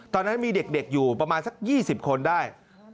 ตอนนั้นมีเด็กอยู่ประมาณสัก๒๐คนได้